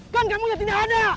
kan kamu gak tindak ada